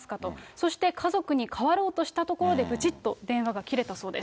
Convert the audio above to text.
そして、家族に代わろうとしたところで、ぶちっと電話が切れたそうです。